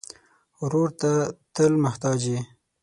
ورور ته تل محتاج یې.